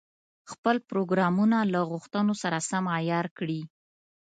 خپل پروګرامونه له غوښتنو سره سم عیار کړي.